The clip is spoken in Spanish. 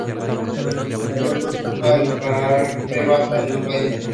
La huerta ocupa la parte baja del valle.